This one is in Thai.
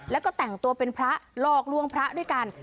แล้วก็แต่งตัวเป็นพระหลอกลวงพระด้วยกัน